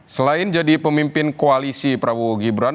selain jadi pemimpin koalisi prabowo gibran